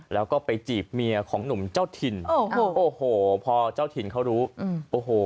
แล้วก็ไปจีบเมียของหนุ่มเจ้าถิ่นโอ้โหพอเจ้าถิ่นเขารู้โอ้โห